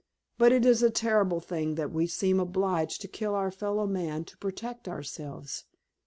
But it is a terrible thing that we seem obliged to kill our fellow men to protect ourselves.